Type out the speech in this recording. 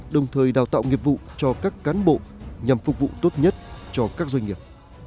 đồng thời đào tạo nghiệp vụ cho các cán bộ nhằm phục vụ tốt nhất cho các doanh nghiệp